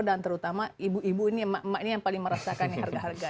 dan terutama ibu ibu ini emak emak ini yang paling merasakan ini harga harga